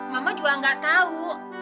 mama juga gak tau